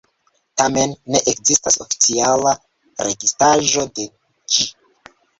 Tamen ne ekzistas oficiala registraĵo de ĝi.